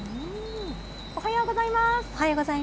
おはようございます。